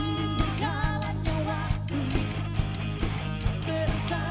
mana suaranya jakarta